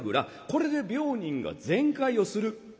これで病人が全快をする。